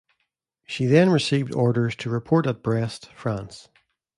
She then received orders to report at Brest, France.